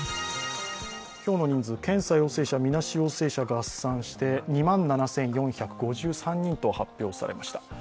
今日の人数、検査陽性者、みなし陽性者合算して２万７４５３人と発表されました。